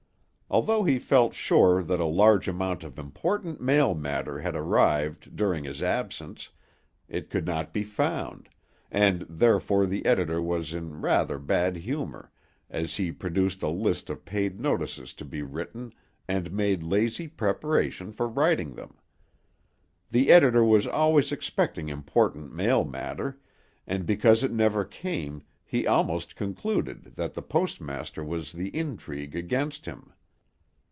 Although he felt sure that a large amount of important mail matter had arrived during his absence, it could not be found; and therefore the editor was in rather bad humor, as he produced a list of paid notices to be written, and made lazy preparation for writing them. The editor was always expecting important mail matter, and because it never came he almost concluded that the postmaster was in the intrigue against him.